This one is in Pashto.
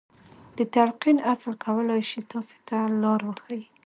د تلقين اصل کولای شي تاسې ته لار وښيي.